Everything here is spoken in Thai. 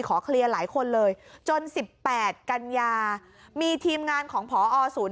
เคลียร์หลายคนเลยจน๑๘กันยามีทีมงานของพอศูนย์